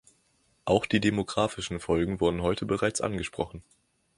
Auch die demographischen Folgen wurden heute bereits angesprochen.